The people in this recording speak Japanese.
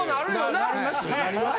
なります？